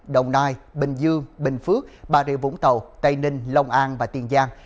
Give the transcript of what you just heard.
đồng nai bình dương bình phước bà rịa vũng tàu tây ninh long an và tiền giang